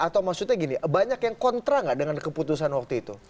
atau maksudnya gini banyak yang kontra gak dengan keputusan waktu itu